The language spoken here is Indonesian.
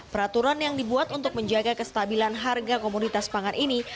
peraturan yang dibuat untuk menjaga kestabilan harga komoditas pangan ini